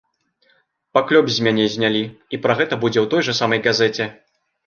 Паклёп з мяне знялі, і пра гэта будзе ў той жа самай газеце.